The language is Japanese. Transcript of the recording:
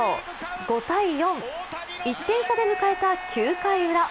５−４、１点差で迎えた９回ウラ。